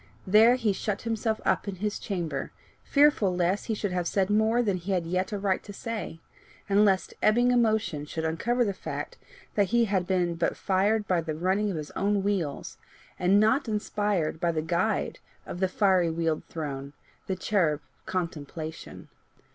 There he shut himself up in his chamber, fearful lest he should have said more than he had yet a right to say, and lest ebbing emotion should uncover the fact that he had been but "fired by the running of his own wheels," and not inspired by the guide of "the fiery wheeled throne, the cherub Contemplation."